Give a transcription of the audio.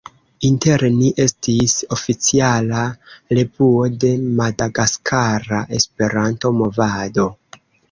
Inter Ni estis oficiala revuo de madagaskara Esperanto-movado.